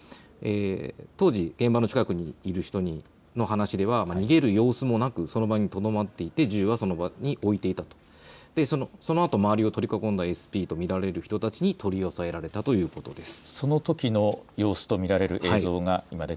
当時、現場の近くにいる人の話では逃げる様子もなく、その場にとどまっていて銃はその場に置いていたとそのあと周りを取り囲んでいたＳＰと見られる人たちに取り押さえられたということです。